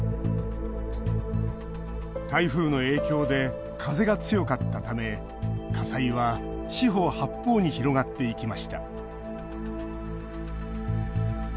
台風の影響で風が強かったため火災は四方八方に広がっていきました。